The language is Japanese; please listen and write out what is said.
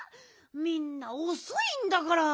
みんなおそいんだから。